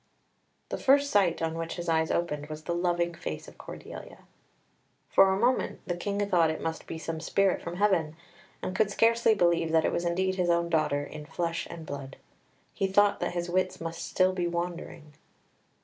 The first sight on which his eyes opened was the loving face of Cordelia. For a moment the King thought it must be some spirit from heaven, and could scarcely believe that it was indeed his own daughter, in flesh and blood. He thought that his wits must still be wandering.